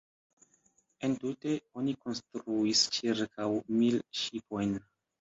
Entute oni konstruis ĉirkaŭ mil ŝipojn.